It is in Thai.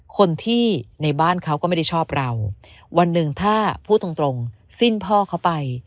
คนที่ในบ้านเขาก็ไม่ได้ชอบเราวันหนึ่งถ้าพูดตรงตรงสิ้นพ่อเขาไป